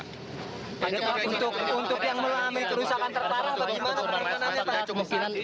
untuk yang melalui kerusakan terparah bagaimana perkenannya pak